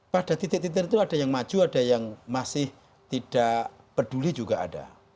pada titik titik itu ada yang maju ada yang masih tidak peduli juga ada